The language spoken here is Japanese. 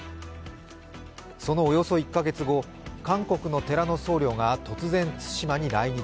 その、およそ１カ月後、韓国の寺の僧侶が突然対馬に来日。